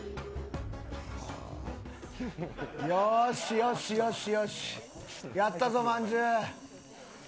よしよしよしやったぞ、まんじゅう。